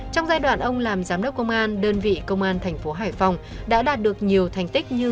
trong giai đoạn ông làm giám đốc công an đơn vị công an thành phố hải phòng đã đạt được nhiều thành tích như